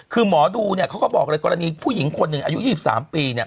คือหมอดูนี่ก็บอกเหมือนกรณีผู้หญิงอายุ๒๓ปี